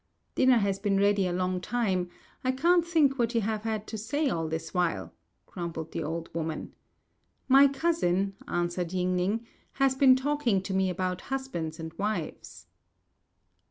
"Dinner has been ready a long time. I can't think what you have had to say all this while," grumbled the old woman. "My cousin," answered Ying ning, "has been talking to me about husbands and wives."